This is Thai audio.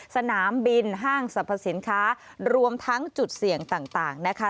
สนามบินห้างสรรพสินค้ารวมทั้งจุดเสี่ยงต่างนะคะ